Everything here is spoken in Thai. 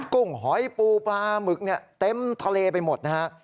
กุ้งหอยปูปลาหมึกเนี่ยเต็มทะเลไปหมดนะฮะ